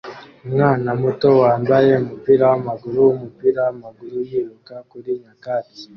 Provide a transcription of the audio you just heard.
Umwana muto wambaye umupira wamaguru wumupira wamaguru yiruka kuri nyakatsi